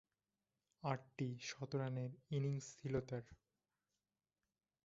আটটি শতরানের ইনিংস ছিল তার।